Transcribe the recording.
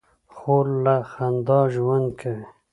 خور له خندا ژوند کوي.